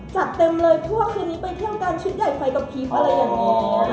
จัดเต็มเลยเพราะว่าคืนนี้ไปเที่ยวกันชุดใหญ่ไฟกับพรีฟอะไรอย่างนี้